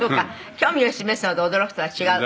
「興味を示すのと驚くとは違う」